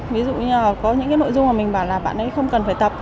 ví dụ như là có những cái nội dung mà mình bảo là bạn ấy không cần phải tập